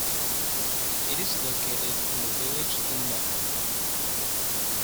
It is located in the village in Network.